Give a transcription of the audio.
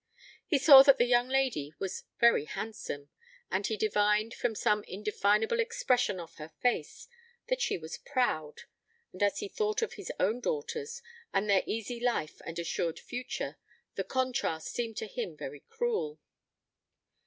He saw that the young lady was very handsome, and he divined, from some indefinable expression of her face, that she was proud; and as he thought of his own daughters, and their easy life and assured future, the contrast seemed to him very cruel.